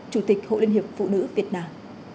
chủ tịch hội liên hiệp phụ nữ việt nam